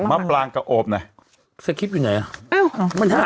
มาปรางกับโอปไหนเสิร์ฟคลิปอยู่ไหนอะ